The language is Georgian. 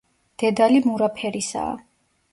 დედალი მურა ფერისაა.